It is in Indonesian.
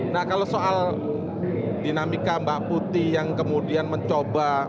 nah kalau soal dinamika mbak putih yang kemudian mencoba